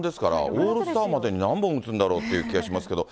オールスターまでに何本打つんだろうっていう気がしますけど。